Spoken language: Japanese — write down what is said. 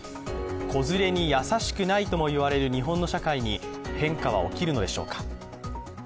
子連れに優しくないともいわれる日本の社会に変化は起きるのでしょうか。